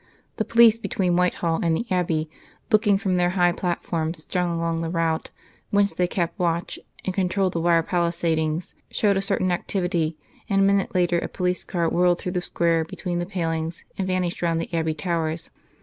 The police between Whitehall and the Abbey, looking from their high platforms strung along the route, whence they kept watch and controlled the wire palisadings, showed a certain activity, and a minute later a police car whirled through the square between the palings, and vanished round the Abbey towers.